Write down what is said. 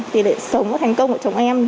tỷ lệ sống và thành công của chồng em